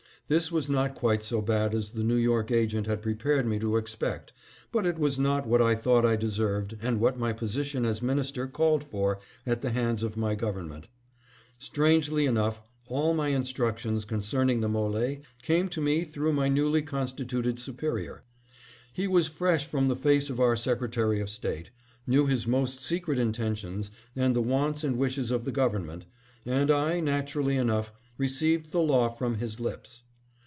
This was not quite so bad as the New York agent had prepared me to expect, but it was not what I thought I deserved and what my position as minister called for at the hands of my gov ernment. Strangely enough, all my instructions con cerning the M61e came to me through my newly con stituted superior. He was fresh from the face of our Secretary of State, knew his most secret intentions and the wants and wishes of the government, and I, natu rally enough, received the law from his lips.